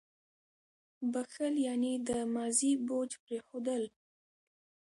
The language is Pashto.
• بښل یعنې د ماضي بوج پرېښودل.